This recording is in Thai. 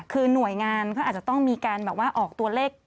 คือหน่วยงานก็อาจจะต้องมีการออกตัวเลข